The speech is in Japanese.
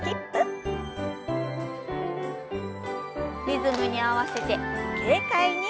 リズムに合わせて軽快に。